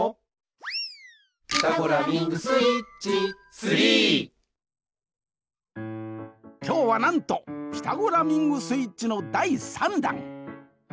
そのなもきょうはなんと「ピタゴラミングスイッチ」の第３弾！